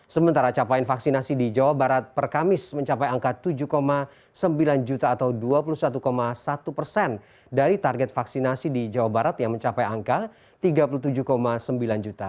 sementara capaian vaksinasi di jawa barat per kamis mencapai angka tujuh sembilan juta atau dua puluh satu satu persen dari target vaksinasi di jawa barat yang mencapai angka tiga puluh tujuh sembilan juta